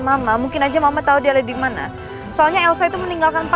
apakah masih ada anak anak di dalam